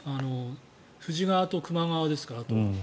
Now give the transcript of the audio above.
富士川と球磨川ですか、あと。